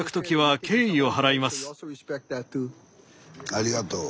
ありがとう。